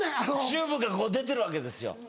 チューブがこう出てるわけですよ